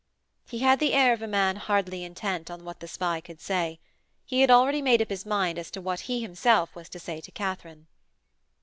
He had the air of a man hardly intent on what the spy could say. He had already made up his mind as to what he himself was to say to Katharine.